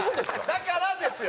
だからですよ。